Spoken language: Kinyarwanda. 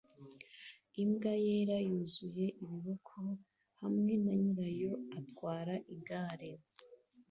Imbwa yera yuzuye ibiboko hamwe na nyirayo atwara igare